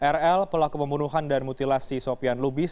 rl pelaku pembunuhan dan mutilasi sopian lubis